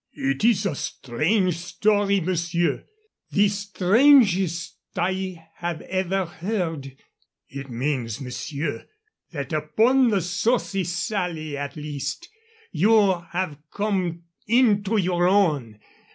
"It is a strange story, monsieur the strangest I have ever heard. It means, monsieur, that upon the Saucy Sally, at least, you have come into your own.